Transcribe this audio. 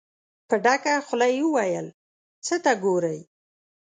په ډکه خوله يې وويل: څه ته ګورئ؟